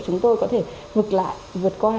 chúng tôi có thể vượt lại vượt qua